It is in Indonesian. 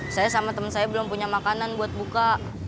saya sama teman saya belum punya makanan buat buka